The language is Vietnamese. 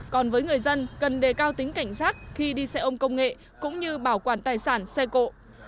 còn với người dân cần đề cao tính cảnh giác khi đi xe ôm công nghệ cũng như bảo quản tài sản xe cộ